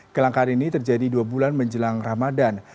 kelangkaan ini terjadi dua bulan menjelang ramadan